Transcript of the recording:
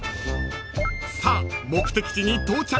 ［さあ目的地に到着］